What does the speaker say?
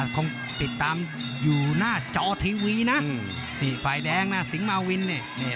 คงติดตามอยู่หน้าจอทีวีนะนี่ฝ่ายแดงนะสิงหมาวินนี่